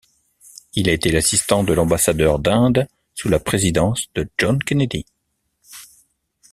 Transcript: Il a été assistant de l'ambassadeur d'Inde sous la présidence de John Kennedy.